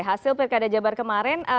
hasil pilkada jabar kemarin